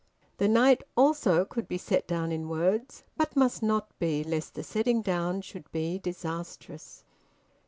The night also could be set down in words, but must not be, lest the setting down should be disastrous...